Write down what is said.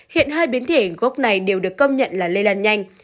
hiện hai biến thể gốc này đều được công nhận là lây lan nhanh